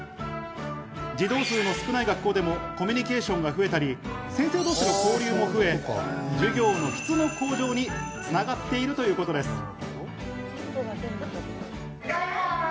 児童数が少ない学校でもコミュニケーションが増えたり、先生同士の交流も増え、授業の質の向上に繋がっているということです。